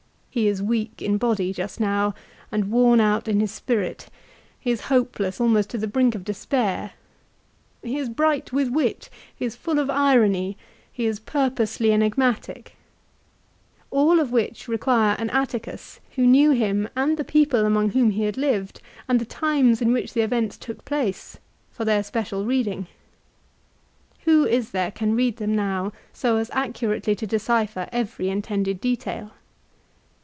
He is weak in body just now, and worn out in 1 Ad Att. lib. xi. 22. AFTER THE BATTLE. 167 spirit ; he is hopeless, almost to the brink of despair ; he is bright with wit, he is full of irony, he is purposely enigmatic, all of which require an Atticus who knew him and the people among whom he had lived, and the times in which the events took place, for their special reading. Who is there can read them now, so as accurately to decipher every intended detail